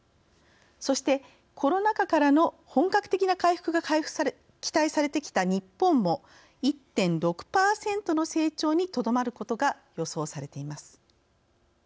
そしてコロナ禍からの本格的な回復が期待されてきた日本も１．６％の成長にとどまることが予想されています。